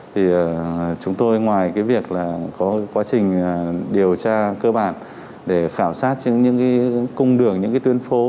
thì chúng tôi ngoài cái việc là có quá trình điều tra cơ bản để khảo sát những cung đường những tuyến phố